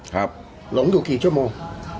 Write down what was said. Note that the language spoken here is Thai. หลงอยู่กี่ชั่วโมง